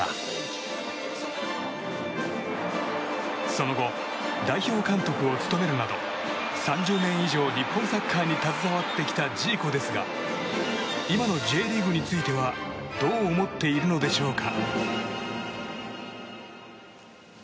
その後、代表監督を務めるなど３０年以上、日本サッカーに携わってきたジーコですが今のＪリーグについてはどう思っているのでしょうか。